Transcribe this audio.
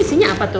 ini apa tuh